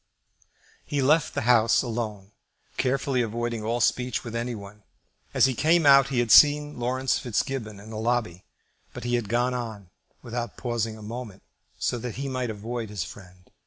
He left the House alone, carefully avoiding all speech with any one. As he came out he had seen Laurence Fitzgibbon in the lobby, but he had gone on without pausing a moment, so that he might avoid his friend.